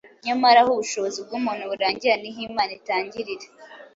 Nyamara aho ubushobozi bw’umuntu burangirira niho Imana itangirira.